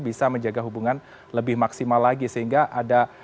bisa menjaga hubungan lebih maksimal lagi sehingga ada